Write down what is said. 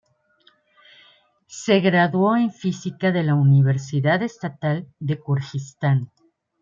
Se graduó en física de la Universidad Estatal de Kirguistán.